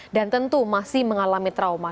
dan tentu masih mengalami trauma